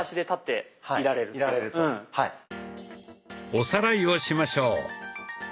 おさらいをしましょう。